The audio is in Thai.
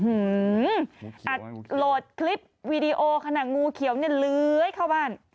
อัดโหลดคลิปวีดีโอขณะงูเขียวเนี่ยเลื้อยเข้าบ้าน